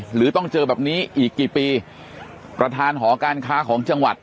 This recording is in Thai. หรือต้องเจอแบบนี้อีกกี่ปีประธานหอการค้าของจังหวัด